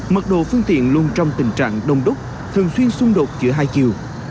mật độ phương tiện luôn trong tình trạng đông đúc thường xuyên xung đột giữa hai chiều